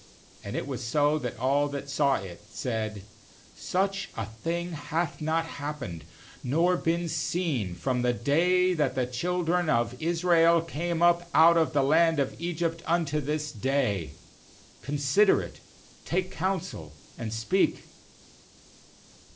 30And it was so, that all that saw it said: 'Such a thing hath not happened nor been seen from the day that the children of Israel came up out of the land of Egypt unto this day; consider it, take counsel, and speak.'